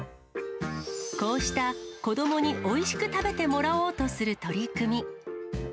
こうした子どもにおいしく食べてもらおうとする取り組み。